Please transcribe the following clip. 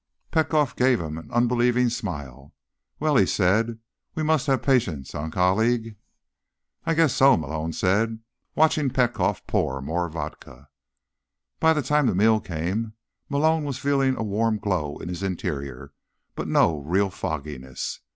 Petkoff gave him an unbelieving smile. "Well," he said. "We must have patience, eh, colleague?" "I guess so," Malone said, watching Petkoff pour more vodka. By the time the meal came, Malone was feeling a warm glow in his interior, but no real fogginess.